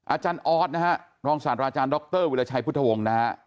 อาจารย์ออสนะฮะรองศาสตราอาจารย์ดรวิราชัยพุทธวงศ์นะฮะ